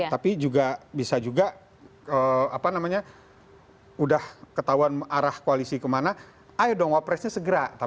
tapi juga bisa juga udah ketahuan arah koalisi kemana ayo dong wapresnya segera